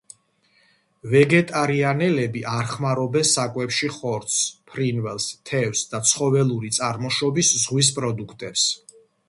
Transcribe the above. ვეგეტარიანელები არ ხმარობენ საკვებში ხორცს, ფრინველს, თევზს და ცხოველური წარმოშობის ზღვის პროდუქტებს.